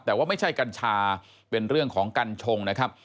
แต่ว่าไม่ใช่กัญชาเป็นเรื่องของกัญชงนะครับ